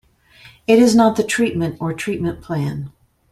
It is not the treatment or treatment plan.